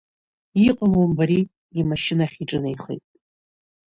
Иҟало умбари, имашьынахь иҿынеихемит.